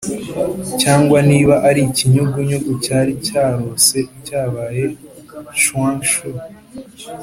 cyangwa niba ari ikinyugunyugu cyari cyarose cyabaye chuang chou.”